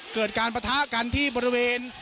เกิดการปะทะกันที่บริเวณ